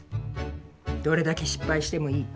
どれだけ失敗してもいい。